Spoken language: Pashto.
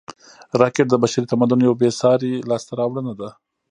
راکټ د بشري تمدن یوه بېساري لاسته راوړنه ده